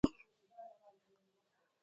ایا ستاسو بوډاتوب ارام نه دی؟